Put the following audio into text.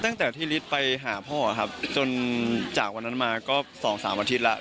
ตั้งแต่ที่ฤทธิ์ไปหาพ่อครับจนจากวันนั้นมาก็๒๓อาทิตย์แล้ว